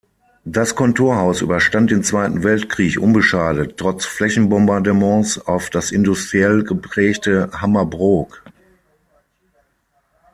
Das Kontorhaus überstand den Zweiten Weltkrieg unbeschadet, trotz Flächenbombardements auf das industriell geprägte Hammerbrook.